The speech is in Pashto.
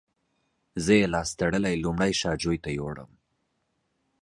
زه یې لاس تړلی لومړی شا جوی ته یووړم.